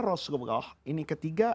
rasulullah ini ketiga